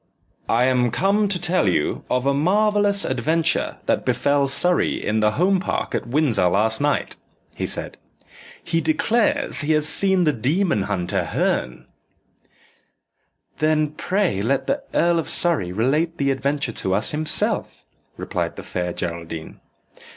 "I am come to tell you of a marvellous adventure that befell Surrey in the Home Park at Windsor last night," he said. "He declares he has seen the demon hunter, Herne." "Then pray let the Earl of Surrey relate the adventure to us himself," replied the Fair Geraldine.